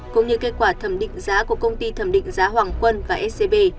cũng như kết quả thẩm định giá của công ty thẩm định giá hoàng quân và scb